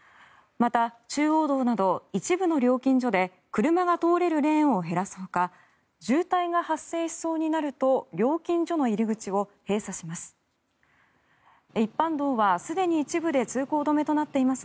また、中央道など一部の料金所で車が通れるレーンを減らすほか渋滞が発生しそうになると料金所の入り口を閉鎖します。